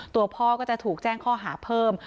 ตัวพ่อก็จะถูกแจ้งข้อหาเพิ่ม